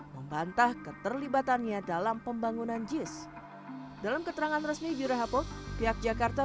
membantah keterlibatannya dalam pembangunan jis dalam keterangan resmi jurahapot pihak jakarta